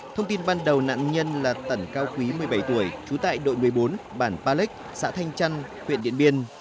thông tin ban đầu nạn nhân là tẩn cao quý một mươi bảy tuổi trú tại đội một mươi bốn bản pa lếch xã thanh trăn huyện điện biên